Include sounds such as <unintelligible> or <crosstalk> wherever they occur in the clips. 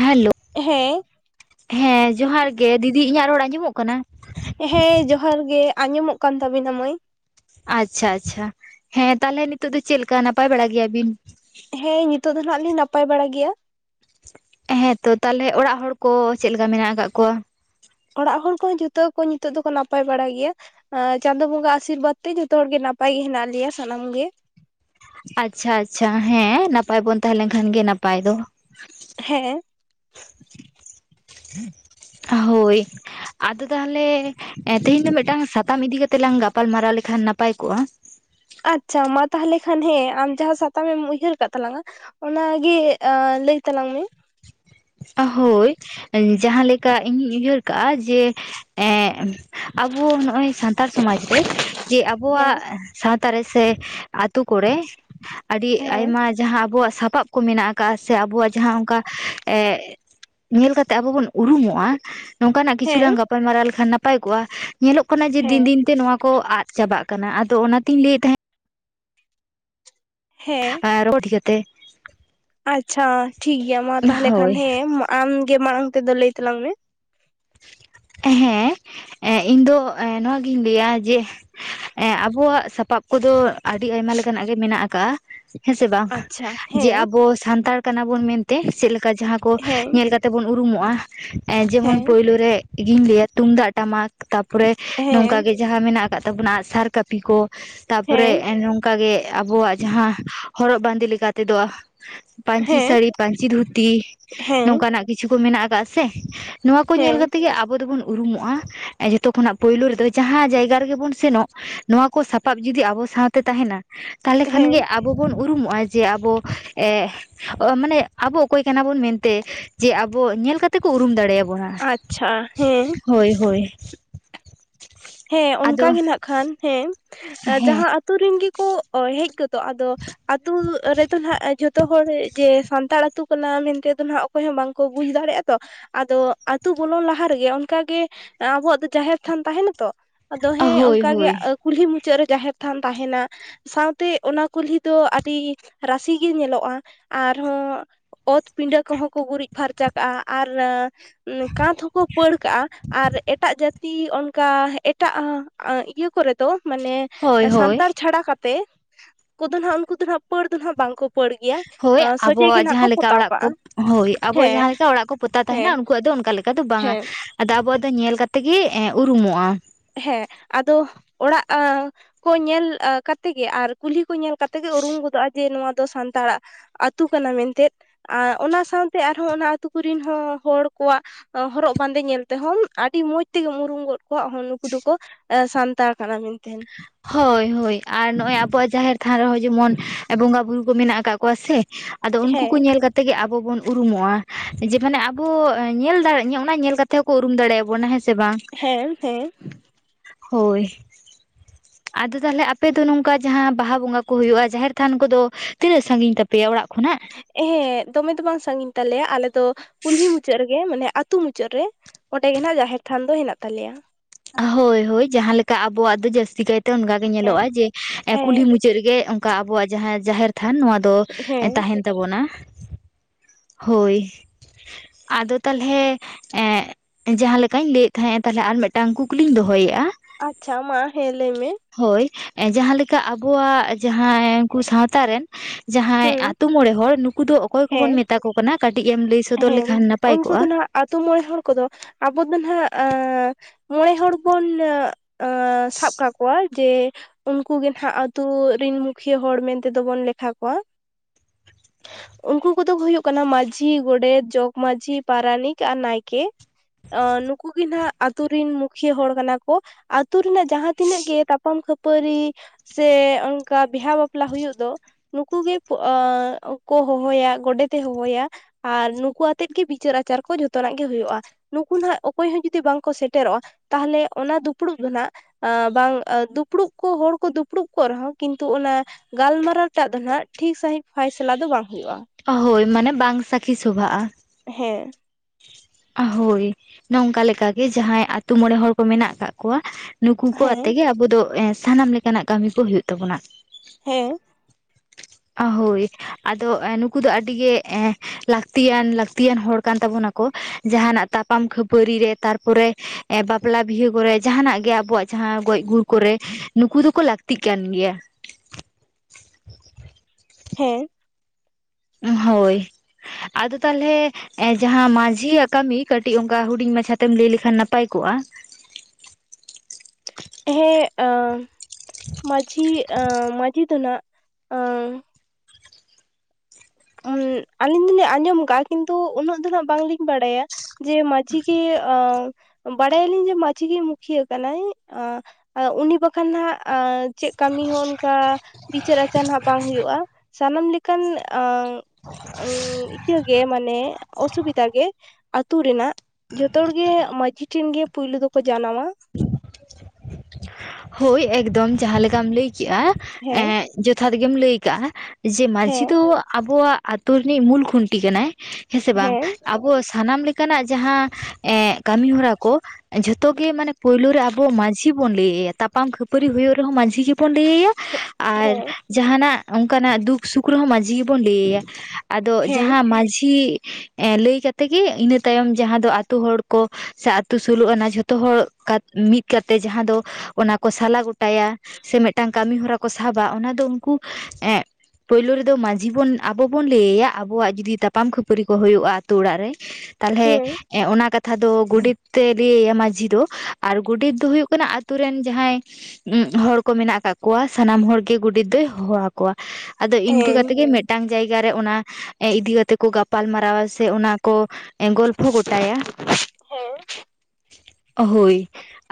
Hello ᱦᱮᱸ ᱦᱮᱸ ᱡᱚᱦᱟᱨ ᱜᱮ᱾ ᱫᱤᱫᱤ ᱤᱧᱟᱜ ᱨᱚᱲ ᱟᱸᱡᱚᱢᱚᱜ ᱠᱟᱱᱟ? ᱦᱮᱸ ᱡᱚᱦᱟᱨ ᱜᱮ ᱟᱸᱡᱚᱢᱚᱜ ᱠᱟᱱ ᱛᱟᱵᱤᱱᱟ ᱢᱟᱹᱭ᱾ ᱟᱪᱪᱷᱟ ᱟᱪᱪᱷᱟ ᱦᱮᱸ ᱛᱟᱞᱦᱮ ᱱᱤᱛᱚᱜ ᱫᱚ ᱪᱮᱜ ᱞᱮᱠᱟ ᱱᱟᱯᱟᱭ ᱵᱟᱲᱟ ᱜᱮᱭᱟ ᱵᱤᱱ? ᱦᱮᱸ ᱧᱤᱛᱚᱜ ᱫᱚ ᱱᱟᱦᱟᱜ ᱞᱤᱧ ᱱᱟᱯᱟᱭ ᱵᱟᱲᱟ ᱜᱮᱭᱟ᱾ ᱦᱮᱸ ᱛᱚ ᱛᱟᱞᱦᱮ ᱚᱲᱟᱜ ᱦᱚᱲ ᱠᱚ ᱪᱮᱜ ᱞᱮᱠᱟ ᱢᱮᱱᱟᱜ ᱠᱟᱜ ᱠᱚᱣᱟ? ᱚᱲᱟᱜ ᱦᱚᱲ ᱠᱚᱦᱚᱸ ᱡᱷᱚᱛᱚ ᱜᱮᱠᱚ ᱧᱤᱛᱚᱜ ᱫᱚᱠᱚ ᱱᱟᱯᱟᱭ ᱵᱟᱲᱟ ᱜᱮᱭᱟ᱾ ᱟᱸ ᱪᱟᱸᱫᱳ ᱵᱚᱸᱜᱟ ᱟᱥᱤᱨᱵᱟᱫᱽ ᱛᱮ ᱡᱷᱚᱛᱚ ᱦᱚᱲᱜ ᱜᱮ ᱱᱟᱯᱟᱭ ᱜᱮ ᱦᱮᱱᱟᱜ ᱞᱮᱭᱟ ᱥᱟᱱᱟᱢ ᱜᱮ᱾ ᱟᱪᱪᱷᱟ ᱦᱮᱸ ᱱᱟᱯᱟᱭ ᱵᱚᱱ ᱛᱟᱦᱮᱸ ᱞᱮᱱ ᱠᱷᱟᱱ ᱜᱮ ᱱᱟᱯᱟᱭ ᱫᱚ, ᱦᱮᱸ, ᱟᱫᱚ ᱛᱟᱦᱚᱞᱮ, ᱛᱮᱦᱮᱧ ᱫᱚ ᱢᱤᱫᱴᱟᱝ ᱥᱟᱛᱟᱢ ᱤᱫᱤ ᱠᱟᱛᱮᱜ ᱞᱟᱝ ᱜᱟᱯᱟᱞ ᱢᱟᱨᱟᱣ ᱞᱮᱠᱷᱟᱱ ᱱᱟᱯᱟᱭ ᱠᱚᱜᱼᱟ, ᱟᱪᱪᱷᱟ ᱢᱟ ᱛᱟᱦᱚᱞᱮ ᱠᱷᱟᱱ ᱦᱮᱸ ᱟᱢ ᱡᱟᱦᱟᱸ ᱥᱟᱛᱟᱢᱮ ᱮᱢ ᱩᱭᱦᱟᱹᱨ ᱠᱫ ᱛᱟᱞᱟᱝᱟ, ᱚᱱᱟᱜᱤ ᱞᱟᱹᱭ ᱛᱟᱞᱟᱝ ᱢᱮ᱾ ᱦᱳᱭ ᱡᱟᱦᱟᱸᱞᱮᱠᱟ ᱤᱧᱤᱧ ᱩᱭᱦᱟᱹᱨ ᱠᱟᱜᱼᱟ ᱡᱮ ᱮ ᱟᱵᱚ ᱱᱚᱜᱼᱚᱭ ᱥᱟᱱᱛᱟᱲ ᱥᱚᱢᱟᱡᱽ ᱨᱮ ᱡᱮ ᱦᱮᱸ ᱟᱵᱚᱣᱟᱜ ᱥᱟᱶᱛᱟ ᱨᱮᱥᱮ ᱟᱛᱳ ᱠᱚᱨᱮ ᱟᱹᱰᱤ ᱦᱮᱸ ᱟᱭᱢᱟ ᱡᱟᱦᱟᱸ ᱟᱵᱚᱣᱟᱜ ᱥᱟᱯᱟᱵ ᱠᱚ ᱢᱮᱱᱟᱜ ᱟᱠᱟᱫ ᱥᱮ ᱟᱵᱚᱣᱟᱜ ᱡᱟᱦᱟᱸ ᱚᱱᱠᱟ ᱮ ᱧᱮᱞ ᱠᱟᱛᱮᱜ ᱟᱵᱚ ᱵᱚᱱ ᱩᱨᱩᱢᱚᱜᱼᱟ ᱱᱚᱝᱠᱟᱱᱟᱜ ᱦᱮᱸ ᱠᱤᱪᱷᱩᱟᱝ ᱜᱟᱯᱟ ᱜᱟᱯᱟᱭ ᱢᱟᱨᱟᱣ ᱞᱮᱠᱷᱟᱱ ᱱᱟᱯᱟᱭ ᱠᱚᱜᱼᱟ ᱧᱮᱞᱚᱜ ᱠᱟᱱᱟ ᱡᱮ ᱫᱤᱱ ᱦᱮᱸ ᱫᱤᱱ ᱛᱮ ᱱᱚᱣᱟ ᱠᱚ ᱟᱫ ᱪᱟᱵᱟᱜ ᱟᱫᱚ ᱚᱱᱟᱛᱤᱧ ᱞᱟᱹᱭᱮᱫ ᱛᱟᱦᱮᱸᱫ, ᱦᱮᱸ, <unintelligible> ᱟᱪᱪᱷᱟ ᱴᱷᱤᱠᱜᱮᱭᱟ ᱢᱟ ᱛᱟᱦᱚᱞᱮ ᱠᱷᱟᱱ ᱦᱳᱭ ᱦᱮᱸ ᱟᱢᱜᱮ ᱢᱟᱲᱟᱝ ᱛᱮᱫᱚ ᱞᱟᱹᱭ ᱛᱟᱞᱟᱝ ᱢᱮ, ᱦᱮᱸ ᱤᱧ ᱫᱚ ᱱᱚᱣᱟᱜᱤᱧ ᱞᱟᱹᱭᱟ ᱡᱮ ᱮᱸᱜ ᱟᱵᱚᱣᱟᱜ ᱥᱟᱯᱟᱯ ᱠᱚᱫᱚ ᱟᱹᱰᱤ ᱟᱭᱢᱟ ᱞᱮᱠᱟᱱᱟᱜ ᱜᱮ ᱢᱮᱱᱟᱜ ᱟᱠᱟᱜᱼᱟ, ᱦᱮᱸᱥᱮ ᱵᱟᱝ ᱟᱪᱪᱷᱟ ᱡᱮ ᱦᱮᱸ ᱟᱵᱚ ᱥᱟᱱᱛᱟᱲ ᱠᱟᱱᱟ ᱵᱩᱱ ᱢᱮᱱᱛᱮ ᱪᱮᱫ ᱞᱮᱠᱟ ᱡᱟᱦᱟᱸ ᱠᱚ ᱦᱮᱸ ᱧᱮᱞ ᱠᱟᱛᱮ ᱛᱮᱵᱚᱱ ᱩᱨᱩᱢᱚᱜᱼᱟ ᱡᱮᱢᱚᱱ ᱦᱮᱸ ᱯᱩᱭᱞᱳ ᱨᱮ ᱤᱧ ᱞᱟᱹᱭᱟ ᱛᱩᱢᱫᱟᱜ ᱴᱟᱢᱟᱠ ᱛᱟᱯᱚᱨᱮ ᱦᱮᱸ ᱱᱚᱝᱠᱟ ᱜᱮ ᱡᱟᱦᱟᱸ ᱢᱮᱱᱟᱜ ᱟᱠᱟᱜ ᱛᱟᱵᱚᱱᱟ ᱟᱸᱜᱥᱟᱨ ᱠᱟᱹᱯᱤ ᱠᱚ, ᱦᱮᱸ ᱛᱟᱯᱚᱨᱮ ᱱᱚᱝᱠᱟ ᱜᱮ ᱟᱵᱚᱣᱟᱜ ᱡᱟᱦᱟᱸ ᱦᱚᱨᱚᱜ ᱵᱟᱸᱫᱮ ᱞᱮᱠᱟ ᱛᱮᱫᱚ, ᱯᱟᱹᱧᱪᱤ ᱦᱮᱸ ᱥᱟᱹᱲᱤ ᱯᱟᱹᱧᱪᱤ ᱫᱷᱩᱛᱤ ᱦᱮᱸ ᱱᱚᱝᱠᱟᱱᱟᱜ ᱠᱤᱪᱷᱩ ᱠᱚ ᱢᱮᱱᱟᱜ ᱟᱠᱟᱜ ᱥᱮ, ᱱᱚᱣᱟ ᱠᱚ ᱧᱮᱞ ᱦᱮᱸ ᱠᱟᱛᱮᱜ ᱜᱮ ᱟᱵᱚ ᱫᱚᱵᱚᱱ ᱩᱨᱩᱢᱚᱜᱼᱟ ᱡᱷᱚᱛᱚ ᱠᱷᱚᱱᱟᱜ ᱯᱩᱭᱭᱞᱩ ᱨᱮᱫᱚ ᱡᱟᱦᱟᱸ ᱡᱟᱭᱜᱟ ᱨᱮᱜᱮ ᱵᱚᱱ ᱥᱮᱱᱚᱜ, ᱱᱚᱣᱟ ᱠᱚ ᱥᱟᱯᱟᱵ ᱡᱩᱫᱤ ᱟᱵᱚ ᱥᱟᱶᱛᱮ ᱛᱟᱦᱮᱱᱟ ᱛᱟᱦᱚᱞᱮ ᱠᱷᱟᱱ ᱦᱮᱸ ᱜᱮ, ᱟᱵᱚᱵᱚᱱ ᱩᱨᱩᱢᱚᱜᱼᱟ ᱡᱮ ᱟᱵᱚ, ᱢᱟᱱᱮ ᱟᱵᱚ ᱚᱠᱚᱭ ᱠᱟᱱᱟ ᱵᱚᱱ ᱢᱮᱱᱛᱮ ᱡᱮ ᱟᱵᱚ ᱧᱮᱞ ᱠᱟᱛᱮ ᱠᱚ ᱩᱨᱩᱢ ᱫᱟᱲᱮᱭᱟᱵᱚᱱᱟ, ᱟᱪᱪᱷᱟ ᱦᱮᱸ, ᱦᱳᱭ ᱦᱳᱭ, ᱦᱮᱸ ᱚᱱᱠᱟ ᱟᱫᱚ ᱜᱮ ᱱᱟᱜ ᱠᱷᱟᱱ ᱦᱮᱸ ᱦᱮᱸ ᱡᱟᱦᱟᱸ ᱟᱛᱩ ᱨᱮᱱ ᱜᱮᱠᱚ ᱦᱮᱡ ᱟᱫᱚ ᱟᱹᱛᱩ ᱨᱮ ᱛᱚ ᱱᱟᱦᱟᱜ ᱡᱚᱛᱚ ᱦᱚᱲ ᱡᱮ ᱥᱟᱱᱛᱟᱲ ᱟᱛᱳ ᱠᱟᱱᱟ ᱢᱮᱱᱛᱮ ᱫᱚ ᱱᱟᱦᱟᱜ ᱚᱠᱚᱭ ᱦᱚᱸ ᱵᱟᱝᱠᱚ ᱵᱩᱡᱽ ᱫᱟᱲᱮᱭᱟᱜᱼᱟ ᱛᱚ, ᱟᱫᱚ ᱟᱛᱩ ᱵᱚᱞᱚᱱ ᱞᱟᱦᱟ ᱨᱮᱜᱮ ᱚᱱᱠᱟᱜᱮ ᱟᱵᱚᱣᱟᱜ ᱫᱚ ᱡᱟᱦᱮᱨ ᱛᱷᱟᱱ ᱛᱟᱦᱮᱱᱟ, ᱛᱚ ᱟᱫᱚ ᱦᱮᱸ ᱦᱳᱭ ᱚᱱᱠᱟᱜᱮ ᱦᱳᱭ ᱠᱩᱞᱦᱤ ᱢᱩᱪᱟᱹᱫ ᱨᱮ ᱡᱟᱦᱮᱨ ᱛᱷᱟᱱ ᱛᱟᱦᱮᱱᱟ, ᱥᱟᱶᱛᱮ ᱚᱱᱟ ᱠᱩᱞᱦᱤ ᱫᱚ ᱟᱹᱰᱤ ᱨᱟᱥᱤ ᱜᱮ ᱧᱮᱞᱚᱜᱼᱟ ᱟᱨᱦᱚᱸ, ᱚᱛ ᱯᱤᱸᱰᱟᱹ ᱠᱚᱦᱚᱸ ᱠᱚ ᱜᱩᱨᱤᱡᱽ ᱯᱷᱟᱨᱪᱟ ᱠᱟᱜᱼᱟ ᱟᱨ, ᱠᱟᱸᱛ ᱦᱚᱸᱠᱚ ᱯᱟᱹᱲ ᱠᱟᱜᱼᱟ ᱟᱨ ᱮᱴᱟᱜ ᱡᱟᱹᱛᱤ ᱠᱟ ᱮᱴᱟᱜ ᱤᱭᱟᱹ, ᱠᱚᱨᱮ ᱫᱚ ᱢᱟᱱᱮ ᱦᱳᱭ ᱦᱳᱭ ᱥᱟᱱᱛᱟᱲ ᱪᱷᱟᱲᱟ ᱠᱟᱛᱮᱜ, ᱩᱱᱠᱩ ᱫᱚ ᱦᱟᱜ ᱩᱱᱠᱩ ᱫᱚ ᱟᱜ ᱯᱟᱹᱲ ᱫᱚ ᱱᱟᱜ ᱵᱟᱝᱠᱚ ᱯᱟᱹᱲ ᱜᱮᱭᱟ ᱦᱳᱭ ᱥᱚᱡᱷᱮ ᱜᱮ ᱟᱵᱚᱣᱟᱜ ᱱᱟᱦᱟᱜ ᱠᱚ ᱡᱟᱦᱟᱸ ᱞᱮᱠᱟ ᱯᱚᱛᱟᱣ ᱚᱲᱟᱜ ᱠᱚ ᱠᱟᱜᱼᱟ ᱦᱳᱭ ᱟᱵᱚᱣᱟᱜ ᱦᱮᱸ ᱡᱟᱦᱟᱸ ᱞᱮᱠᱟ ᱚᱲᱟᱜ ᱠᱚ ᱯᱚᱛᱛᱟ ᱛᱟᱦᱮᱱᱟ ᱦᱮᱸ ᱩᱱᱠᱩᱣᱟᱜ ᱫᱚ ᱚᱱᱠᱟ ᱞᱮᱠᱟ ᱫᱚ ᱵᱟᱝᱼᱟ, ᱦᱮᱸ ᱟᱫᱚ ᱟᱵᱚ ᱫᱚ ᱧᱮᱞ ᱠᱟᱛᱮᱜ ᱜᱮ ᱩᱨᱩᱢᱚᱜᱼᱟ, ᱦᱮᱸ ᱟᱫᱚ ᱚᱲᱟᱜ ᱠᱚ ᱧᱮᱞ ᱠᱟᱛᱮ ᱜᱮ ᱟᱨ ᱠᱩᱞᱦᱤ ᱠᱚ ᱧᱮᱞ ᱠᱟᱛᱮ ᱜᱮ ᱩᱨᱩᱢ ᱜᱚᱫᱚᱜᱼᱟ ᱡᱮ ᱱᱚᱣᱟ ᱫᱚ ᱥᱟᱱᱛᱟᱲᱟᱜ ᱟ ᱟᱹᱛᱩ ᱠᱟᱱᱟ ᱢᱮᱱᱛᱮ, ᱟᱨ ᱚᱱᱟ ᱥᱟᱶᱛᱮ ᱟᱨᱦᱚᱸ ᱚᱱᱟ ᱟᱹᱛᱩ ᱠᱚᱨᱮᱱ ᱦᱚᱸ ᱦᱚᱲ ᱠᱚᱣᱟᱜ ᱦᱚᱨᱚᱜ ᱵᱟᱸᱫᱮ ᱧᱮᱞ ᱛᱮᱦᱚᱸᱢ ᱟᱹᱰᱤ ᱢᱚᱸᱡᱽ ᱛᱮᱜᱮᱢ ᱩᱨᱩᱢ ᱜᱚᱫ ᱠᱚᱣᱟ ᱚᱦᱚ ᱱᱩᱠ ᱠᱩ ᱫᱚᱠᱚ ᱮ ᱥᱟᱱᱛᱟᱲ ᱠᱟᱱᱟ ᱢᱮᱱᱛᱮᱱ᱾ ᱦᱳᱭ ᱦᱳᱭ ᱟᱨ ᱱᱚᱜ-ᱚᱭ ᱟᱵᱚᱣᱟᱜ ᱡᱟᱦᱮᱨ ᱛᱷᱟᱱ ᱨᱮᱦᱚᱸ ᱡᱮᱢᱚᱱ ᱵᱚᱸᱜᱟ ᱵᱩᱨᱩ ᱠᱚ ᱢᱮᱱᱟᱜ ᱟᱠᱟᱫ ᱠᱚᱣᱟ ᱥᱮ᱾ ᱟᱫᱚ ᱩᱱᱠᱩ ᱠᱚ ᱦᱮᱸ ᱧᱮᱞ ᱠᱟᱛ ᱛᱮᱜᱮ ᱟᱵᱚ ᱵᱚᱱ ᱩᱨᱩᱢᱚᱜ-ᱟ ᱡᱮ ᱢᱟᱱᱮ ᱟᱵᱚ ᱧᱮᱞ ᱫᱟᱲᱮᱜ ᱧᱮ ᱚᱱᱟ ᱧᱮᱞ ᱠᱟᱛᱮ ᱦᱚᱸᱠᱚ ᱩᱨᱩᱢ ᱫᱟᱲᱮᱭᱟᱵᱚᱱᱟ, ᱦᱮᱸ ᱥᱮ ᱵᱟᱝ? ᱦᱮᱸ ᱦᱮᱸ᱾ ᱦᱳᱭ᱾ ᱟᱫᱚ ᱛᱟᱦᱚᱞᱮ ᱟᱯᱮᱚ ᱫᱚ ᱱᱚᱝᱠᱟ ᱡᱟᱦᱟᱸ ᱵᱟᱦᱟ ᱵᱚᱸᱜᱟ ᱠᱚ ᱦᱩᱭᱩᱜᱼᱟ, ᱡᱟᱦᱮᱨ ᱛᱷᱟᱱ ᱠᱚᱫᱚ ᱛᱤᱱᱟᱹᱜ ᱥᱟᱺᱜᱤᱧ ᱛᱟᱯᱮᱭᱟ ᱚᱲᱟᱜ ᱠᱷᱚᱱᱟᱜ? ᱦᱮᱸ ᱫᱚᱢᱮ ᱫᱚ ᱵᱟᱝ ᱥᱟᱺᱜᱤᱧ ᱛᱟᱞᱮᱭᱟ, ᱟᱞᱮ ᱫᱚ ᱠᱩᱞᱦᱤ ᱢᱩᱪᱟᱹᱫ ᱨᱮᱜᱮ᱾ ᱢᱟᱱᱮ ᱟᱹᱛᱩ ᱢᱩᱪᱟᱹᱫ ᱨᱮ᱾ ᱚᱸᱰᱮ ᱜᱮ ᱱᱟᱦᱜ ᱡᱟᱦᱮᱨ ᱛᱷᱟᱱ ᱫᱚ ᱦᱮᱱᱟᱜ ᱛᱟᱞᱮᱭᱟ᱾ ᱦᱳᱭ ᱦᱳᱭ ᱡᱟᱦᱟᱸ ᱞᱮᱠᱟ ᱟᱵᱚᱣᱟᱜ ᱫᱚ ᱡᱟᱹᱥᱛᱤ ᱠᱟᱭᱛᱮ ᱚᱱᱠᱟ ᱜᱮ ᱦᱮᱸ ᱧᱮᱞᱚᱜᱼᱟ ᱡᱮ ᱮ ᱠᱩᱞᱦᱤ ᱦᱮᱸ ᱢᱩᱪᱟᱹᱫ ᱨᱮᱜᱮ ᱚᱱᱠᱟ ᱟᱵᱚᱣᱟᱜ ᱡᱟᱦᱟᱸ ᱡᱟᱦᱮᱨ ᱛᱷᱟᱱ ᱱᱚᱣᱟ ᱫᱚ ᱦᱮᱸ ᱛᱟᱦᱮᱱ ᱛᱟᱵᱚᱱᱟ᱾ ᱦᱳᱭ ᱟᱫᱚ ᱛᱟᱦᱚᱞᱮ ᱮᱜ ᱡᱟᱦᱟᱸ ᱞᱮᱠᱟᱧ ᱞᱟᱹᱭᱮᱫ ᱛᱟᱦᱮᱸᱫ ᱛᱟᱞᱦᱮ ᱟᱨ ᱢᱤᱫᱴᱟᱝ ᱠᱩᱠᱞᱤᱧ ᱫᱚᱦᱚᱭᱮᱫᱼᱟ? ᱟᱪᱪᱷᱟ ᱢᱟ ᱦᱮ ᱞᱟᱹᱭ ᱢᱮ᱾ ᱦᱳᱭ ᱮᱸ ᱡᱟᱦᱟᱸ ᱞᱮᱠᱟ ᱟᱵᱚᱣᱟᱜ ᱡᱟᱦᱟᱸᱭ ᱩᱱᱠᱩ ᱥᱟᱶᱛᱟ ᱨᱮᱱ ᱡᱟᱦᱟᱸᱭ ᱦᱩᱸ ᱟᱛᱩ ᱢᱚᱬᱮ ᱦᱚᱲ ᱱᱩᱠᱩ ᱫᱚ ᱚᱠᱚᱭ ᱦᱮᱸ ᱢᱮᱛᱟ ᱠᱚ ᱠᱟᱱᱟ ᱠᱟᱹᱴᱤᱡ ᱮᱢ ᱞᱟᱹᱭ ᱥᱚᱫᱚᱨ ᱦᱮᱸ ᱞᱮᱠᱷᱟᱱ ᱱᱟᱯᱟᱭ ᱩᱱᱠᱩ ᱠᱚᱜ-ᱟ᱾ ᱫᱚ ᱱᱟᱜ ᱟᱛᱳ ᱢᱚᱬᱮ ᱦᱚᱲ ᱠᱚᱫᱚ ᱟᱵᱚ ᱫᱚ ᱱᱟᱦᱟᱜ ᱟᱸ ᱢᱚᱬᱮ ᱦᱚᱲ ᱵᱚᱱ ᱟᱸ ᱥᱟᱵ ᱠᱟᱜ ᱠᱚᱚᱣᱟᱭᱺ ᱡᱮ ᱩᱱᱠᱩ ᱜᱮ ᱱᱟᱦᱱᱟᱜ ᱟᱛᱩ ᱨᱮᱱ ᱢᱩᱠᱷᱤᱭᱟᱹ ᱦᱚᱲ ᱢᱮᱱᱛᱮᱫ ᱵᱚᱱ ᱞᱮᱠᱷᱟ ᱠᱚᱣᱟ᱾ ᱩᱱᱠᱩ ᱠᱚᱫᱚ ᱠᱚ ᱦᱩᱭᱩᱜ ᱠᱟᱱᱟ ᱢᱟᱹᱡᱷᱤ ᱜᱚᱰᱮᱛ, ᱡᱚᱠ ᱢᱟᱺᱡᱷᱤ, ᱯᱟᱨᱟᱱᱤᱠ ᱟᱨ ᱱᱟᱭᱠᱮ᱾᱾ ᱚ ᱱᱩᱠᱩ ᱜᱮ ᱱᱷᱟᱜ ᱟᱛᱩ ᱨᱮᱱ ᱢᱩᱠᱷᱤᱭᱟᱹ ᱦᱚᱲ ᱠᱟᱱᱟ ᱠᱚ᱾ ᱟᱛᱩ ᱨᱮᱱᱟᱜ ᱡᱟᱦᱟᱸ ᱛᱤᱱᱟᱹᱜ ᱜᱮ ᱛᱟᱯᱟᱢ ᱠᱷᱟᱹᱯᱟᱹᱨᱤ ᱥᱮ ᱚᱝ ᱠᱟ ᱵᱤᱦᱟ ᱵᱟᱯᱞᱟ ᱦᱩᱭᱩᱜ ᱫᱚ᱾ ᱱᱩᱠᱩ ᱜᱮ ᱠᱚ ᱟ ᱠᱚ ᱦᱚᱦᱚᱭᱟ, ᱜᱚᱰᱮᱛᱮ ᱦᱚᱦᱚᱭᱟ᱾᱾ ᱟᱨ ᱱᱩᱠᱩ ᱟᱛᱮᱫ ᱜᱮ ᱵᱤᱪᱟᱹᱨ ᱟᱪᱟᱨ ᱠᱚ ᱡᱷᱚᱛᱚᱱᱟᱜ ᱜᱮ ᱦᱩᱭᱩᱜ-ᱟ᱾᱾ ᱱᱩᱠᱩ ᱱᱷᱟᱜ ᱚᱠᱚᱭ ᱦᱚᱸ ᱡᱩᱫᱤ ᱵᱟᱝᱠᱚ ᱥᱮᱴᱮᱨᱚᱜ-ᱟ ᱛᱟᱦᱞᱮ ᱚᱱᱟ ᱫᱩᱯᱩᱲᱩᱯ ᱨᱮᱱᱟᱜ ᱟᱸ ᱵᱟᱝ ᱟ ᱫᱩᱯᱲᱩᱯ ᱠᱚ ᱦᱚᱲ ᱠᱚ ᱫᱩᱯᱲᱩᱯ ᱠᱚᱜ ᱨᱮᱦᱚᱸ ᱠᱤᱱᱛᱩ ᱚᱱᱟ ᱜᱟᱞᱢᱟᱨᱟᱣ ᱴᱟᱜ ᱫᱚ ᱱᱷᱟᱜ ᱴᱷᱤᱠ ᱥᱟᱺᱦᱤᱡ ᱯᱷᱟᱭᱥᱟᱞᱟ ᱫᱚ ᱵᱟᱝ ᱦᱩᱭᱩᱜ-ᱟ᱾ ᱚ ᱦᱳᱭ ᱢᱟᱱᱮ ᱵᱟᱝ ᱥᱟᱹᱠᱷᱤ ᱥᱚᱵᱷᱟᱜ-ᱟ᱾᱾ ᱦᱮᱸ᱾ ᱟ ᱦᱳᱭ, ᱱᱚᱝᱠᱟ ᱞᱮᱠᱟ ᱜᱮ ᱡᱟᱦᱟᱸᱭ ᱟᱹᱛᱳ ᱢᱚᱬᱮ ᱦᱚᱲ ᱠᱚ ᱢᱮᱱᱟᱜ ᱟᱠᱟᱜ ᱠᱚᱣᱟ ᱱᱩᱠᱩ ᱠᱚ ᱦᱮᱸ ᱟᱛᱮ ᱜᱮ ᱟᱵᱳ ᱫᱚ ᱮᱸ ᱥᱟᱱᱟᱢ ᱞᱮᱠᱟᱱᱟᱜ ᱠᱟᱢᱤ ᱠᱚ ᱦᱩᱭᱩᱜ ᱛᱟᱵᱚᱱᱟ᱾ ᱦᱮᱸ᱾ ᱚ ᱦᱳᱭ᱾ ᱟᱫᱚ ᱮ ᱟᱫᱚ ᱮᱸ ᱫᱚ ᱟᱹᱰᱤ ᱜᱮ ᱮᱸ ᱞᱟᱠᱛᱤᱭᱟᱱ, ᱞᱟᱠᱛᱤᱭᱟᱱ ᱦᱚᱲ ᱠᱟᱱ ᱛᱟᱵᱚᱱᱟᱠ ᱠᱚ᱾ ᱡᱟᱦᱟᱱᱟᱜ ᱛᱟᱯᱟᱢ ᱠᱷᱟᱹᱯᱟᱹᱨᱤ ᱨᱮ ᱛᱟᱨᱯᱚᱨᱮ ᱮ ᱵᱟᱯᱞᱟ ᱵᱤᱦᱟᱹ ᱠᱚᱨᱮ, ᱡᱟᱦᱟᱸᱱᱟᱜ ᱜᱮ ᱟᱵᱚᱣᱟᱜ ᱡᱟᱦᱟᱸ ᱜᱚᱡ ᱜᱩᱨ ᱠᱚᱨᱮ, ᱱᱩᱠᱩ ᱫᱚᱠᱚ ᱞᱟᱹᱠᱛᱤᱜ ᱠᱟᱱ ᱜᱮᱭᱟ᱾ ᱦᱮ᱾ ᱦᱳᱭ, ᱟᱫᱚ ᱛᱟᱦᱞᱮ ᱮᱸ ᱡᱟᱦᱟᱸ ᱢᱟᱡᱷᱤᱭᱟᱜ ᱠᱟᱹᱢᱤ ᱠᱟᱹᱴᱤᱡ ᱚᱝᱠᱟ ᱦᱩᱰᱤᱝ ᱢᱟᱪᱷᱟ ᱛᱮᱢ ᱞᱮᱭ ᱞᱮᱠᱷᱟᱱ ᱱᱟᱯᱟᱭ ᱠᱚᱜᱼᱟ᱾ ᱦᱮᱸ ᱟᱸ ᱡᱟᱱᱤ ᱱᱴᱟ ᱢᱟᱺᱡᱷᱤ ᱲᱹ ᱟᱴᱸ-ᱼ ᱟᱹᱞᱤᱧ ᱟᱸᱡᱚᱢ ᱟᱠᱟᱜᱼᱟ ᱠᱤᱱᱛᱩ ᱩᱱᱟᱹᱜ ᱫᱚ ᱦᱟᱸᱜ ᱵᱟᱝᱞᱤᱧ ᱵᱟᱰᱟᱭᱟ᱾ ᱡᱮ ᱢᱟᱡᱷᱤ ᱜᱮ ᱟᱸ ᱵᱟᱲᱟᱭᱟᱞᱤᱝ ᱡᱮ ᱢᱟᱡᱷᱤ ᱜᱮ ᱢᱩᱠᱷᱤᱭᱟᱹ ᱠᱟᱱᱟᱭ, ᱩᱱᱤ ᱵᱟᱠᱷᱟᱱ ᱦᱟᱸᱜ ᱟ ᱪᱮᱫ ᱠᱟᱢᱤ ᱦᱚᱸ ᱱᱚᱝᱠᱟ ᱵᱤᱪᱟᱹᱨ ᱟᱪᱟᱨ ᱱᱷᱟᱜ ᱵᱟᱝ ᱦᱩᱭᱩᱜᱼᱟ ᱥᱟᱱᱟᱢ ᱞᱮᱠᱟᱱ ᱟᱸ ᱤᱠᱟᱹ ᱜᱮ ᱢᱟᱱᱮ ᱚᱥᱩᱵᱤᱫᱟ ᱜᱮ᱾ ᱟᱛᱩ ᱨᱮᱱᱟᱜ ᱡᱷᱚᱛᱚ ᱦᱚᱲ ᱜᱮ ᱢᱟᱡᱷᱤ ᱴᱷᱮᱱ ᱜᱮ ᱯᱩᱭᱞᱩ ᱫᱚᱠᱚ ᱡᱟᱱᱟᱣᱟ᱾ ᱦᱳᱭ, ᱮᱠᱫᱚᱢ ᱡᱟᱦᱟᱸ ᱞᱮᱠᱟᱢ ᱞᱟᱹᱭ ᱠᱮᱜᱼᱟ᱾ ᱦᱮᱸ᱾ ᱮᱸ ᱡᱚᱛᱷᱟᱛ ᱜᱮᱢ ᱞᱮᱭ ᱠᱟᱜᱼᱟ, ᱡᱮ ᱢᱟᱡᱷᱤ ᱫᱚ ᱦᱮᱸ ᱟᱵᱚᱣᱟᱜ ᱟᱛᱳ ᱨᱤᱱᱤᱜ ᱢᱩᱞ ᱠᱷᱩᱱᱴᱤ ᱠᱟᱱᱟᱭ᱾ ᱦᱮᱸ ᱥᱮ ᱵᱟᱝ, ᱟᱵᱚ ᱥᱟᱱᱟᱢ ᱞᱮᱠ ᱠᱟᱱᱟᱜ ᱡᱟᱦᱟᱸ ᱮᱸ ᱠᱟᱹᱢᱤ ᱦᱚᱨᱟ ᱠᱚ ᱮᱸ ᱡᱷᱚᱛᱚ ᱜᱮ ᱢᱟᱱᱮ ᱯᱳᱭᱞᱳ ᱨᱮ ᱟᱵᱚ ᱢᱟᱡᱷᱤ ᱵᱚᱱ ᱞᱟᱹᱭ ᱟᱭᱟ᱾ ᱛᱟᱯᱟᱢ ᱠᱷᱟᱹᱯᱟᱹᱨᱤ ᱦᱩᱭᱩᱜ ᱨᱮᱦᱚᱸ ᱢᱟᱡᱷᱤ ᱜᱮᱵᱚᱱ ᱞᱟᱹᱭ ᱟᱭᱟ᱾ ᱟᱨ ᱦᱮᱸ ᱡᱟᱦᱟᱸᱱᱟᱜ ᱚᱝᱠᱟᱱᱟᱜ ᱫᱩᱠᱷ ᱥᱩᱠᱷ ᱨᱮᱦᱚᱸ ᱢᱟ. ᱡᱷᱤ ᱵᱚᱱ ᱞᱮᱭ ᱟᱭᱟ ᱟᱫᱚ ᱦᱮᱸ ᱡᱟᱦᱟᱸ ᱢᱟᱡᱷᱤ ᱮᱸ ᱞᱮᱭ ᱠᱟᱛᱮ ᱜᱮ, ᱤᱱᱟᱹ ᱛᱟᱭᱚᱢ ᱡᱟᱦᱟᱸ ᱫᱚ ᱟᱛᱳ ᱦᱚᱲ ᱠᱚ ᱥᱮ ᱟᱛᱳ ᱥᱳᱞᱳ ᱟᱱᱟ ᱡᱷᱚᱛᱚ ᱦᱚᱲ᱾ ᱢᱤᱫ ᱠᱟᱛᱮ ᱡᱟᱦᱟᱸ ᱫᱚ ᱚᱱᱟ ᱠᱚ ᱥᱟᱞᱟ ᱜᱚᱴᱟᱭᱟ ᱥᱮ ᱢᱮᱫᱴᱟᱝ ᱠᱟᱢᱤ ᱦᱚᱨᱟ ᱠᱚ ᱥᱟᱵᱟ ᱚᱱᱟ ᱫᱚ ᱩᱱᱠᱩ ᱮᱸᱜ ᱯᱳᱭᱞᱳ ᱨᱮᱫᱚ ᱢᱟᱹᱡᱷᱤ ᱵᱚᱱ ᱟᱵᱳ ᱵᱚᱱ ᱞᱟᱹᱭ ᱟᱭᱟ ᱟᱵᱚᱣᱟᱜ ᱡᱩᱫᱤ ᱛᱟᱯᱟᱢ ᱠᱷᱟᱹᱯᱟᱹᱨᱤ ᱠᱚ ᱦᱩᱭᱩᱜᱼᱟ ᱟᱹᱛᱳ ᱚᱲᱟᱜ ᱨᱮ᱾ ᱛᱟᱞᱦᱮ ᱦᱮᱸ ᱮ ᱚᱱᱟ ᱠᱟᱛᱷᱟ ᱫᱚ ᱜᱚᱰᱮᱛᱮ ᱞᱟᱹᱭ ᱟᱭᱟ ᱢᱟᱡᱷᱤ ᱫᱚ᱾ ᱟᱨ ᱜᱳᱰᱮᱛ ᱫᱚ ᱦᱩᱭᱩᱜ ᱠᱟᱱᱟ ᱟᱛᱩ ᱨᱮᱱ ᱡᱟᱦᱟᱸᱭ ᱩᱸ ᱦᱚᱲ ᱠᱚ ᱢᱮᱱᱟᱜ ᱟᱠᱟᱟᱜ ᱠᱚᱣᱟ᱾ ᱥᱟᱱᱟᱢ ᱦᱚᱲ ᱜᱮ ᱜᱚᱰᱮᱛ ᱫᱚᱭ ᱦᱚᱦᱚᱣᱟᱠ ᱠᱚᱣᱟ, ᱟᱫᱚ ᱤᱱᱠᱟᱹ ᱦᱮᱸ ᱠᱟᱛᱮ ᱜᱮ ᱢᱮᱫ ᱴᱟᱝ ᱡᱟᱭᱜᱟ ᱨᱮ ᱚᱱᱟ ᱮ ᱤᱫᱤ ᱠᱟᱛᱮ ᱠᱚ ᱜᱟᱯᱟᱞᱢᱟᱨᱟᱣᱟ ᱥᱮ ᱚᱱᱟ ᱠᱚ ᱜᱚᱞᱯᱷᱚ ᱜᱚᱴᱟᱭᱟ᱾ ᱦᱮᱸ᱾ ᱦᱳᱭ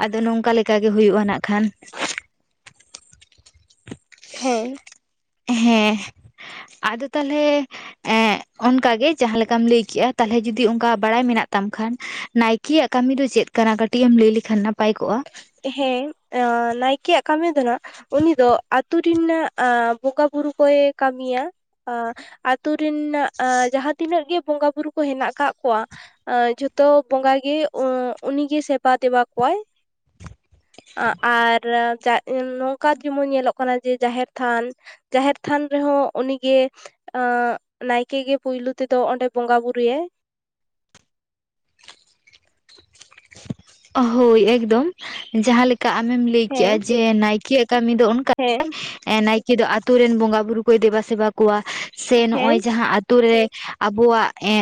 ᱟᱫᱚ ᱱᱚᱝᱠᱟ ᱞᱮᱠᱟᱜᱮ ᱦᱩᱭᱩᱜᱼᱟ ᱱᱟᱜ ᱠᱷᱟᱱ᱾ ᱦᱮᱸ᱾ ᱦᱮᱸ ᱟᱫᱚ ᱛᱟᱦᱚᱞᱮ ᱮᱻ ᱚᱱᱠᱟᱜᱮ ᱡᱟᱦᱟᱸ ᱞᱮᱠᱟᱢ ᱞᱟᱹᱭ ᱠᱮᱜᱼᱟ ᱛᱟᱦᱚᱞᱮ ᱡᱩᱚᱫᱤ ᱚᱱᱠᱟ ᱵᱟᱲᱟᱭ ᱢᱮᱱᱟᱜ ᱛᱟᱢ ᱠᱷᱟᱱ ᱱᱟᱭᱠᱮᱭᱟᱜ ᱠᱟᱹᱢᱤ ᱫᱚ ᱪᱮᱫ? ᱠᱟᱱᱟ ᱠᱟᱹᱴᱤᱡ ᱮᱢ ᱞᱟᱹᱭ ᱞᱮᱠᱷᱟ ᱱᱟᱯᱟᱭ ᱠᱚᱜᱼᱟ᱾ ᱦᱮᱸ ᱱᱟᱭᱠᱮᱭᱟᱜ ᱠᱟᱹᱢᱤ ᱫᱚ ᱱᱟᱜ ᱩᱱᱤ ᱫᱚ ᱟᱛᱩ ᱨᱮᱱᱟᱜ ᱵᱚᱸᱜᱟ ᱵᱩᱨᱩ ᱠᱚᱭ ᱠᱟᱹᱢᱤᱭᱟ᱾ ᱟᱛᱩ ᱨᱮᱱᱟᱜ ᱡᱟᱦᱟᱸ ᱛᱤᱱᱟᱹᱜ ᱜᱮ ᱵᱚᱸᱜᱟ ᱵᱩᱨᱩ ᱠᱚ ᱦᱮᱱᱟᱜ ᱟᱠᱟᱫ ᱠᱚᱣᱟ ᱡᱷᱚᱛᱚ ᱵᱚᱸᱜᱟ ᱜᱮ ᱩᱱᱤᱜᱮ ᱥᱮᱵᱟ ᱫᱮᱵᱟ ᱠᱚᱣᱟᱭ᱾ ᱟᱨ <unintelligible> ᱱᱚᱝᱠᱟ ᱡᱮᱢᱚᱱ ᱧᱮᱞᱚᱜ ᱠᱟᱱᱟ ᱡᱮ ᱡᱟᱦᱮᱨ ᱛᱷᱟᱱ ᱡᱟᱦᱮᱨ ᱛᱷᱟᱱ ᱨᱮᱦᱚᱸ ᱩᱱᱤᱜᱮ ᱱᱟᱭᱠᱮ ᱜᱮ ᱯᱳᱭᱞᱳ ᱛᱮᱫᱚ ᱚᱸᱰᱮ ᱵᱚᱸᱜᱟ ᱵᱩᱨᱩᱟᱭ᱾ ᱦᱳᱭ ᱮᱠᱫᱚᱢ ᱡᱟᱦᱟᱸ ᱞᱮᱠᱟ ᱟᱢᱮᱢ ᱞᱟᱹᱭ ᱦᱮᱸ ᱠᱮᱜᱼᱟ ᱡᱮ ᱱᱟᱭᱠᱮᱭᱟᱜ ᱠᱟᱹᱢᱤ ᱫᱚ ᱦᱮᱸ ᱱᱟᱭᱠᱮ ᱫᱚ ᱟᱛᱳ ᱨᱮᱱ ᱵᱚᱸᱜᱟ ᱵᱩᱨᱩᱭ ᱠᱚᱭ ᱫᱮᱵᱟ ᱥᱮᱵᱟ ᱠᱚᱣᱟ ᱥᱮ ᱦᱮᱸ ᱱᱚᱜᱼᱚᱭ ᱡᱟᱦᱟᱸ ᱟᱛᱳᱨᱮ ᱟᱵᱚᱣᱟᱜ ᱮᱻ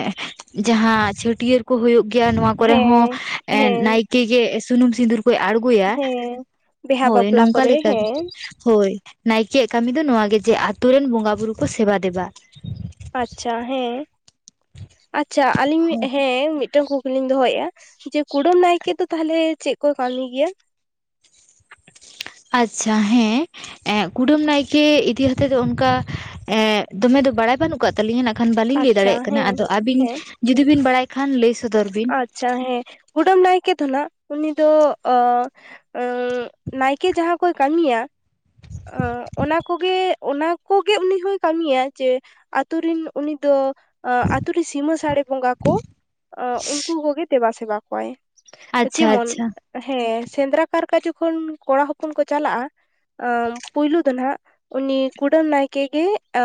ᱡᱟᱦᱟᱸ ᱪᱷᱟᱹᱴᱭᱟᱹᱨ ᱠᱚ ᱦᱩᱭᱩᱜ ᱜᱮᱭᱟ ᱱᱚᱶᱟ ᱠᱚᱨᱮ ᱦᱚᱸ ᱦᱮᱸ ᱦᱮᱸ ᱱᱟᱭᱠᱮ ᱜᱮ ᱥᱩᱱᱩᱢ ᱥᱤᱸᱫᱩᱨ ᱠᱚ ᱟᱲᱜᱚᱭᱟ ᱦᱮᱸ ᱵᱤᱦᱟ ᱦᱳᱭ ᱵᱟᱯᱞᱟ ᱱᱚᱝᱠᱟ ᱠᱚᱨᱮ ᱞᱮᱠᱟ ᱜᱮ᱾ ᱦᱮᱸ ᱦᱳᱭ ᱱᱟᱭᱠᱮᱭᱟᱜ ᱠᱟᱹᱢᱤ ᱫᱚ ᱱᱚᱣᱟ ᱜᱮ ᱡᱮ ᱟᱛᱩ ᱨᱮᱱ ᱵᱚᱸᱜᱟ ᱵᱩᱨᱩ ᱠᱚ ᱥᱮᱵᱟ ᱫᱮᱵᱟ᱾ ᱟᱪᱪᱷᱟ ᱦᱮᱸ᱾ ᱟᱪᱪᱷᱟ ᱟᱹᱞᱤᱧ ᱦᱮᱸ ᱢᱤᱫᱴᱟᱝ ᱠᱩᱠᱞᱤᱧ ᱫᱚᱦᱚᱭᱮᱜᱼᱟ ᱡᱮ ᱠᱩᱰᱟᱹᱢ ᱱᱟᱭᱠᱮ ᱫᱚ ᱛᱟᱦᱚᱞᱮ ᱪᱮᱫ ᱠᱚᱭ ᱠᱟᱹᱢᱤ ᱜᱮᱭᱟ? ᱟᱪᱪᱷᱟ ᱦᱮᱸ᱾ ᱠᱩᱰᱟᱹᱢ ᱱᱟᱭᱠᱮ ᱤᱫᱤ ᱠᱟᱛᱮᱫ ᱫᱚ ᱚᱱᱠᱟ ᱮᱻ ᱫᱚᱢᱮ ᱫᱚ ᱵᱟᱲᱟᱭ ᱵᱟᱹᱱᱩᱜ <unintelligible> ᱛᱟᱹᱞᱤᱧᱟ ᱱᱟᱜ ᱠᱷᱟᱱ ᱵᱟᱹᱞᱤᱧ ᱞᱟᱹᱭ ᱟᱪᱪᱷᱟ ᱫᱟᱲᱮᱭᱟᱜ ᱠᱟᱱᱟ ᱦᱮᱸ ᱟᱫᱚ ᱟᱹᱵᱤᱱ ᱦᱮᱸ ᱡᱩᱫᱤ ᱵᱤᱱ ᱵᱟᱲᱟᱭ ᱠᱷᱟᱱ ᱞᱟᱹᱭ ᱥᱚᱫᱚᱨ ᱵᱤᱱ? ᱟᱪᱪᱷᱟ ᱦᱮᱸ ᱠᱩᱰᱟᱹᱢ ᱱᱟᱭᱠᱮ ᱫᱚ ᱱᱟᱦᱟᱜ ᱩᱱᱤ ᱫᱚ ᱚᱻ ᱮᱻ ᱱᱟᱭᱠᱮ ᱡᱟᱦᱟᱸ ᱠᱚᱭ ᱠᱟᱹᱢᱤᱭᱟ ᱚᱱᱟ ᱠᱚᱜᱮ ᱚᱱᱟ ᱠᱚᱜᱮ ᱩᱱᱤ ᱦᱚᱭ ᱠᱟᱹᱢᱤᱭᱟ ᱡᱮ ᱟᱛᱩ ᱨᱤᱱ ᱩᱱᱤ ᱫᱚ ᱟᱛᱩ ᱨᱮ ᱥᱤᱢᱟᱹ ᱥᱟᱹᱲᱮ ᱵᱚᱸᱜᱟ ᱠᱚ ᱩᱱᱠᱩ ᱠᱚᱜᱮ ᱫᱮᱵᱟ ᱥᱮᱵᱟ ᱠᱚᱣᱟᱭ ᱟᱪᱪᱷᱟ ᱡᱮᱢᱚᱱ ᱟᱪᱪᱷᱟ ᱦᱮᱸ ᱥᱮᱸᱫᱽᱨᱟ ᱠᱟᱨᱠᱟ ᱡᱚᱠᱷᱚᱱ ᱠᱚᱲᱟ ᱦᱚᱯᱚᱱ ᱠᱚ ᱪᱟᱞᱟᱜᱼᱟ, ᱯᱳᱭᱞᱳ ᱫᱚ ᱱᱟᱦᱟᱜ ᱩᱱᱤ ᱠᱩᱰᱟᱹᱢ ᱱᱟᱭᱠᱮ ᱜᱮ ᱮᱻ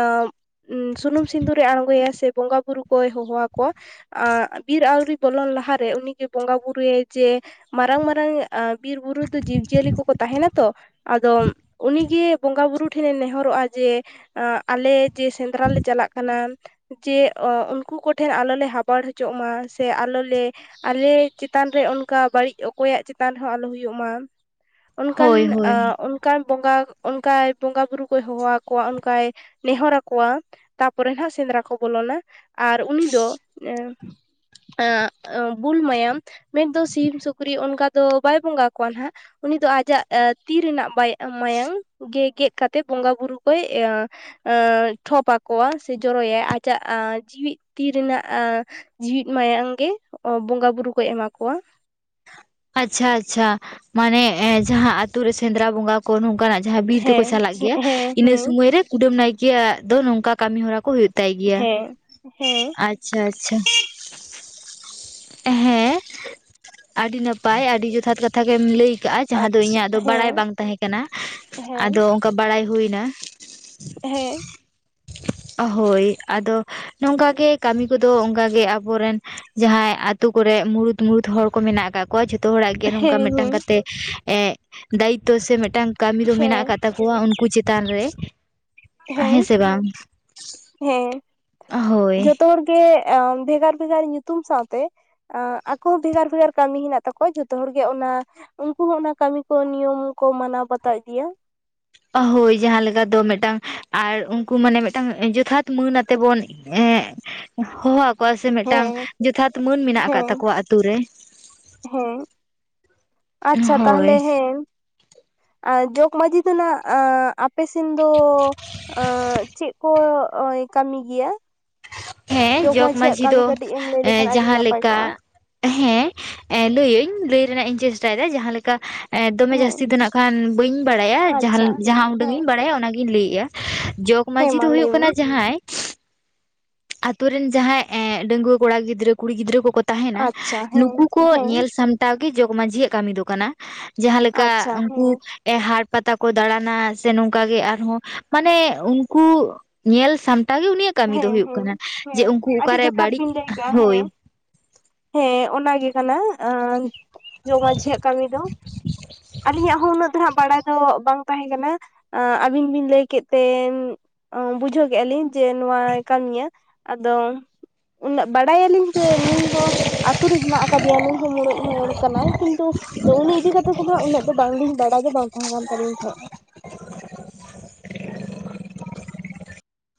ᱥᱩᱱᱩᱢ ᱥᱤᱸᱫᱩᱨᱮ ᱟᱬᱜᱚᱭᱟ ᱥᱮ ᱵᱚᱸᱜᱟ ᱵᱩᱨᱩ ᱠᱚᱭ ᱦᱚᱦᱚᱣᱟᱠᱚᱣᱟ ᱵᱤᱨ ᱟᱹᱣᱨᱤ ᱵᱚᱞᱚᱱ ᱞᱟᱦᱟᱨᱮ ᱩᱱᱤᱜᱮ ᱵᱚᱸᱜᱟ ᱵᱩᱨᱩ ᱡᱮ ᱢᱟᱨᱟᱝ ᱢᱟᱨᱟᱝ ᱵᱤᱨ ᱵᱩᱨᱩ ᱫᱚ ᱡᱤᱵᱽ ᱡᱤᱭᱟᱹᱞᱤ ᱠᱚᱠᱚ ᱛᱟᱦᱮᱱᱟ ᱛᱚ᱾ ᱟᱫᱚ ᱩᱱᱤᱜᱮ ᱵᱚᱸᱜᱟ ᱵᱩᱨᱩ ᱴᱷᱮᱱᱮ ᱱᱮᱦᱚᱨᱚᱜᱼᱟ ᱡᱮ ᱟᱞᱮ ᱡᱮ ᱥᱮᱸᱫᱽᱨᱟ ᱞᱮ ᱪᱟᱞᱟᱜ ᱠᱟᱱᱟ ᱡᱮ ᱩᱱᱠᱩ ᱠᱚᱴᱷᱮᱱ ᱟᱞᱚ ᱞᱮ ᱦᱟᱵᱟᱲ ᱦᱚᱪᱚᱜ ᱢᱟ ᱥᱮ ᱟᱞᱚᱞᱮ ᱟᱞᱮ ᱪᱮᱛᱟᱱ ᱨᱮ ᱚᱱᱠᱟ ᱵᱟᱹᱲᱤᱡ ᱚᱠᱚᱭᱟᱜ ᱪᱮᱛᱟᱱ ᱨᱮᱦᱚᱸ ᱟᱞᱚ ᱦᱩᱭᱩᱜ ᱢᱟ᱾ ᱚᱱᱠᱟᱱ ᱦᱳᱭ ᱦᱳᱭ ᱚᱱᱠᱟᱱ ᱵᱚᱸᱜᱟ ᱚᱱᱠᱟᱭ ᱵᱚᱸᱜᱟ ᱵᱩᱨᱩ ᱠᱚᱭ ᱦᱚᱦᱚ ᱟᱠᱚᱣᱟ ᱚᱱᱠᱟᱭ ᱱᱮᱦᱚᱨ ᱟᱠᱚᱣᱟ᱾ ᱛᱟᱨᱯᱚᱨᱮ ᱱᱟᱦᱱᱟᱜ ᱥᱮᱸᱫᱽᱨᱟ ᱠᱚ ᱵᱚᱞᱚᱱᱟ ᱟᱨ ᱩᱱᱤ ᱫᱚ ᱮ ᱵᱩᱞ ᱢᱟᱭᱟᱢ ᱢᱮᱱᱫᱚ ᱥᱤᱢ ᱥᱩᱠᱨᱤ ᱚᱱᱠᱟ ᱫᱚ ᱵᱟᱭ ᱵᱚᱸᱜᱟ ᱠᱚᱣᱟᱭ ᱱᱟᱦᱟᱜ᱾ ᱩᱱᱤ ᱫᱚ ᱟᱡᱟᱜ ᱛᱤ ᱨᱮᱱᱟᱜ ᱢᱟ ᱢᱟᱭᱟᱝ ᱜᱮ ᱜᱮᱫ ᱠᱟᱛᱮᱫ ᱵᱚᱸᱜᱟ ᱵᱩᱨᱩ ᱠᱚᱭ ᱮᱻ ᱴᱷᱚᱯ ᱟᱠᱚᱣᱟ ᱥᱮ ᱡᱚᱨᱚᱭᱟᱭ ᱟᱡᱟᱜ ᱡᱤᱣᱮᱫ ᱛᱤ ᱨᱮᱱᱟᱜ ᱮᱻ ᱡᱤ ᱢᱟᱭᱟᱝ ᱜᱮ ᱵᱚᱸᱜᱟ ᱵᱩᱨᱩ ᱠᱚᱭ ᱮᱢᱟ ᱠᱚᱣᱟ᱾ ᱟᱪᱪᱷᱟ ᱟᱪᱪᱷᱟ ᱢᱟᱱᱮ ᱡᱟᱦᱟᱸ ᱟᱛᱩ ᱨᱮ ᱥᱮᱸᱫᱽᱨᱟ ᱵᱚᱸᱜᱟ ᱠᱚ ᱱᱚᱝᱠᱟᱱᱟᱜ ᱡᱟᱦᱟᱸ ᱵᱤᱨ ᱛᱮᱠᱚ ᱦᱮᱸ ᱪᱟᱞᱟᱜ ᱜᱮᱭᱟ ᱦᱮᱸ ᱤᱱᱟᱹ ᱦᱮᱸ ᱥᱩᱢᱚᱭ ᱨᱮ ᱠᱩᱰᱟᱹᱢ ᱱᱟᱭᱠᱮᱭᱟᱜ ᱫᱚ ᱱᱚᱝᱠᱟ ᱠᱟᱹᱢᱤ ᱦᱚᱨᱟ ᱠᱚ ᱦᱳᱭ ᱛᱟᱭ ᱜᱮᱭᱟ ᱦᱮᱸ ᱦᱮᱸ ᱟᱨ ᱟᱪᱪᱷᱟᱼᱟᱪᱪᱷᱟ ᱦᱮᱸ ᱟᱹᱰᱤ ᱱᱟᱯᱼᱼ ᱯᱟᱭ ᱟᱹᱰᱤ ᱡᱚᱛᱷᱟᱛ ᱠᱟᱛᱷᱟ ᱜᱮᱢ ᱞᱟᱹᱭ ᱟᱠᱟᱜᱼᱟ, ᱡᱟᱦᱟᱸ ᱫᱚ ᱟᱪᱪᱷᱟ ᱤᱧᱟᱹᱜ ᱫᱚ ᱵᱟᱲᱟᱭ ᱦᱮᱸ ᱵᱟᱝ ᱛᱟᱦᱮᱸ ᱠᱟᱱᱟ ᱦᱮᱸ ᱟᱫᱚ ᱠᱚ ᱵᱟᱲᱟᱭ ᱦᱩᱭᱱᱟ᱾ ᱦᱮᱸ᱾ ᱦᱳᱭ ᱟᱫᱚ ᱱᱚᱝᱠᱟᱜᱮ ᱠᱟᱹᱢᱤ ᱠᱚᱫᱚ ᱚᱱᱠᱟᱜᱮ ᱟᱵᱚᱨᱮᱱ ᱡᱟᱦᱟᱸᱭ ᱟᱛᱳ ᱠᱚᱨᱮ ᱢᱩᱲᱩᱛᱼᱢᱩᱲᱩᱛ ᱦᱚᱲ ᱠᱚ ᱢᱮᱱᱟᱜ ᱠᱚᱣᱟ ᱡᱷᱚᱛᱚ ᱦᱚᱲᱟᱜ ᱜᱮ ᱱᱚᱝᱠᱟ ᱢᱤᱫᱴᱟᱝ ᱦᱮᱸ ᱠᱟᱛᱮ ᱮ ᱫᱟᱭᱤᱛᱚ ᱥᱮ ᱢᱤᱫᱴᱟᱝ ᱠᱟᱹᱢᱤ ᱫᱚ ᱢᱮᱱᱟᱜ ᱦᱮᱸ ᱟᱠᱟᱫ ᱛᱟᱠᱚᱣᱟ ᱩᱱᱠᱩ ᱪᱮᱛᱟᱱ ᱨᱮ, ᱦᱮᱸ ᱥᱮ ᱵᱟᱝ? ᱦᱮᱸ ᱦᱳᱭ ᱡᱚᱛᱚ ᱦᱚᱲ ᱜᱮ ᱵᱷᱮᱜᱟᱨᱼᱵᱷᱮᱜᱟᱨ ᱧᱩᱛᱩᱢ ᱥᱟᱶᱛᱮ ᱟᱠᱚ ᱵᱷᱮᱜᱟᱨᱼᱵᱷᱮᱜᱟᱨ ᱠᱟᱹᱢᱤ ᱦᱮᱱᱟᱜ ᱛᱟᱠᱚᱣᱟ ᱡᱚᱛᱚ ᱦᱚᱲᱜᱮ, ᱚᱱᱟ ᱩᱱᱠᱩ ᱦᱚᱸ ᱚᱱᱟ ᱱᱤᱭᱚᱢ ᱠᱚ ᱢᱟᱱᱟᱣ ᱵᱟᱛᱟᱣ ᱤᱫᱤᱭᱟ᱾ ᱦᱳᱭ ᱡᱟᱦᱟᱸ ᱞᱮᱠᱟ ᱫᱚ ᱢᱤᱫᱴᱟᱝ ᱟᱨ ᱩᱱᱠᱩ ᱢᱟᱱᱮ ᱢᱤᱫᱴᱟᱝ ᱡᱚᱛᱷᱟᱛ ᱢᱟᱹᱱ ᱟᱛᱮ ᱵᱚᱱ ᱦᱮᱸ ᱦᱚᱦᱚᱼᱼ ᱟᱠᱚᱣᱟ ᱥᱮ ᱢᱤᱫᱴᱟᱝ ᱦᱮᱸ ᱡᱚᱛᱷᱟᱛ ᱢᱟᱹᱱ ᱢᱮᱱᱟᱜ ᱟᱠᱟᱫ ᱦᱮᱸ ᱛᱟᱠᱚᱣᱟ ᱟᱛᱩ ᱨᱮ᱾ ᱦᱮᱸ ᱟᱪᱪᱷᱟ ᱦᱳᱭ ᱛᱟᱦᱚᱞᱮ ᱦᱮᱸ, ᱟᱨ ᱡᱚᱜᱽ ᱢᱟᱺᱡᱷᱤ ᱫᱚ ᱱᱦᱟᱜ ᱟᱯᱮ ᱥᱮᱱ ᱫᱚ ᱚᱸᱜ ᱪᱮᱫ ᱠᱚᱭ ᱠᱟᱹᱢᱤ ᱜᱮᱭᱟ? ᱦᱮᱸ ᱡᱚᱜᱽ ᱡᱚᱠ ᱢᱟᱺᱡᱷᱤᱭᱟᱜ ᱢᱟᱺᱡᱷᱤ ᱫᱚ ᱠᱟᱹᱢᱤ ᱠᱟᱹᱴᱤᱡ ᱮᱢ ᱞᱟᱹᱭ ᱞᱮᱠᱷᱟᱱ ᱟᱹᱰᱤ ᱡᱟᱦᱟᱸ ᱱᱟᱯᱟᱭ ᱞᱮᱠᱟ ᱠᱚᱜᱼᱟ ᱦᱮᱸ ᱞᱟᱹᱭᱟᱹᱧ, ᱞᱟᱹᱭ ᱨᱮᱱᱟᱜ ᱤᱧ ᱪᱮᱥᱴᱟᱭᱮᱫᱟ ᱡᱟᱦᱟᱸ ᱞᱮᱠᱟ ᱮᱸ ᱫᱚᱢᱮ ᱦᱮᱸ ᱡᱟᱹᱥᱛᱤ ᱫᱚ ᱱᱦᱟᱜ ᱠᱷᱟᱱ ᱵᱟᱹᱧ ᱵᱟᱲᱟᱭᱟ ᱡᱟᱦᱟᱸ ᱟᱪᱪᱷᱟ ᱡᱟᱦᱟᱸ ᱩᱰᱟᱹᱝ ᱦᱮᱸ ᱤᱧ ᱵᱟᱲᱟᱭᱟ ᱚᱱᱟ ᱜᱤᱧ ᱞᱟᱹᱭᱮᱫᱼᱟ ᱾ ᱡᱚᱠ ᱦᱮᱸ ᱢᱟᱺᱡᱷᱤ ᱢᱟ ᱫᱚ ᱦᱩᱭᱩᱜ ᱞᱟᱹᱭ ᱢᱮ ᱠᱟᱱᱟ ᱡᱟᱦᱟᱸᱭ ᱟᱛᱳ ᱨᱮᱱ ᱡᱟᱦᱟᱸᱭ ᱮᱸᱜ ᱰᱟᱝᱣᱟᱹ ᱠᱚᱲᱟ ᱜᱤᱫᱽᱨᱟᱹ ᱠᱩᱲᱤ ᱜᱤᱫᱽᱨᱟᱹ ᱠᱚᱠᱚ ᱛᱟᱦᱮᱱᱟ ᱟᱪᱪᱷᱟ ᱦᱮᱸ ᱱᱩᱠᱩ ᱠᱚ ᱦᱮᱸ ᱧᱮᱞ ᱥᱟᱢ ᱴᱟᱣ ᱜᱮ ᱡᱚᱠ ᱢᱟᱹᱡᱷᱤᱭᱟᱜ ᱠᱟᱹᱢᱤ ᱫᱚ ᱠᱟᱱᱟ, ᱡᱟᱦᱟᱸ ᱞᱮᱠᱟ ᱟᱪᱪᱷᱟ ᱩᱱᱠᱩ ᱦᱮᱸ ᱮ ᱦᱟᱴ ᱯᱟᱛᱟ ᱠᱚ ᱫᱟᱬᱟᱱᱟ ᱥᱮ ᱱᱚᱝᱠᱟ ᱜᱮ ᱟᱨᱦᱚᱸ ᱢᱟᱱᱮ ᱩᱱᱠᱩ ᱧᱮᱞ ᱥᱟᱢᱴᱟᱣ ᱜᱮ ᱩᱱᱤᱭᱟᱜ ᱠᱟᱹᱢᱤ ᱫᱚ ᱦᱮᱸ ᱦᱩᱭᱩᱜ ᱦᱮᱸ ᱠᱟᱱᱟ, ᱡᱮ ᱦᱮᱸ ᱩᱱᱠᱩ ᱟᱹᱰᱤ ᱚᱠᱟᱨᱮ ᱡᱚᱛᱷᱟᱛ ᱵᱟᱹᱲᱤᱡ ᱵᱤᱱ ᱞᱟᱹᱭ ᱠᱟᱜᱼᱟ ᱦᱳᱭ ᱦᱮᱸ ᱾ ᱦᱮᱸ ᱚᱱᱟ ᱜᱮ ᱠᱟᱱᱟ ᱟᱸ ᱡᱚᱜᱽ ᱢᱟᱺᱡᱷᱤᱭᱟᱜ ᱠᱟᱹᱢᱤ ᱫᱚ ᱟᱹᱞᱤᱧᱟᱜ ᱦᱚᱸ ᱩᱱᱟᱹᱜ ᱫᱚ ᱦᱟᱸᱜ ᱵᱟᱲᱟᱭ ᱫᱚ ᱵᱟᱝ ᱛᱟᱦᱮᱸ ᱠᱟᱱᱟ, ᱟᱹᱵᱤᱱ ᱵᱤᱱ ᱞᱟᱹᱭ ᱠᱮᱫ ᱛᱮ ᱵᱩᱡᱷᱟᱹᱣ ᱠᱮᱫᱼᱟ ᱞᱤᱧ ᱾ ᱡᱮ ᱱᱚᱣᱟᱭ ᱠᱟᱹᱢᱤᱭᱟ ᱟᱫᱚ ᱩᱱᱟᱹᱜ ᱵᱟᱲᱟᱭᱟᱞᱤᱧ ᱡᱮ ᱱᱩᱭ ᱦᱚᱸ ᱟᱛᱩ ᱨᱮ ᱦᱮᱱᱟᱜ ᱟᱠᱟᱫᱮᱭᱟ ᱱᱩᱭ ᱦᱚᱸ ᱢᱩᱬᱩᱫ ᱦᱚᱲ ᱠᱟᱱᱟᱭ, ᱠᱤᱱᱛᱩ ᱟᱫᱚ ᱩᱱᱤ ᱤᱫᱤ ᱠᱟᱛᱮᱜ ᱫᱚ ᱱᱟᱦᱜ ᱩᱱᱟᱹᱜ ᱫᱚ ᱵᱟᱝᱞᱤᱧ ᱵᱟᱲᱟᱭ ᱜᱮ ᱵᱟᱝ ᱛᱟᱦᱮᱸ ᱠᱟᱱ ᱛᱟᱞᱤᱧ ᱛᱟᱦᱮᱸᱜᱼᱟ ᱾